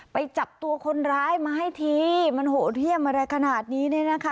ไปจับตัวคนร้ายมาให้ทีมันโหดเยี่ยมอะไรขนาดนี้เนี่ยนะคะ